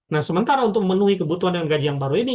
nah sementara untuk memenuhi kebutuhan dan gaji yang baru ini